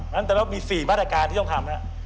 แต่มันมี๔บรรดาการที่ต้องทำนะ